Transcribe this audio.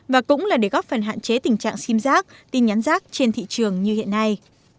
và cũng là để góp phần hạn chế tình trạng sim giác tin nhắn rác trên thị trường như hiện nay